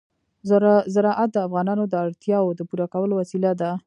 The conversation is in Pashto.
زراعت د افغانانو د اړتیاوو د پوره کولو وسیله ده.